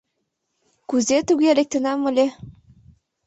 — Кузе туге «лектынам ыле»?